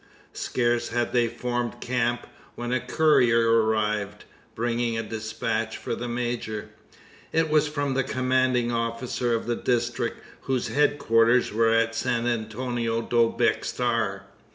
Scarce had they formed camp, when a courier arrived, bringing a despatch for the major. It was from the commanding officer of the district, whose head quarters were at San Antonio do Bexar.